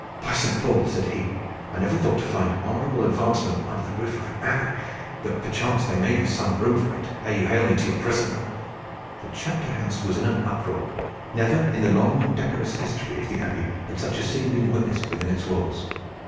"By Saint Paul!" said he, "I never thought to find honorable advancement under the roof of an abbey, but perchance there may, be some room for it ere you hale me to your prison." The chapter house was in an uproar. Never in the long and decorous history of the Abbey had such a scene been witnessed within its walls.